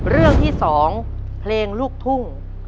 เรื่องที่๒เพลงลูกทุ่ง